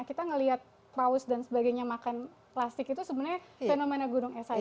kita ngelihat paus dan sebagainya makan plastik itu sebenarnya fenomena gunung es aja